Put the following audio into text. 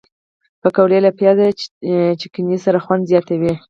پکورې له پیاز چټني سره خوند زیاتوي